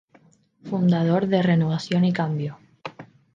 Fundador de Renovación y Cambio.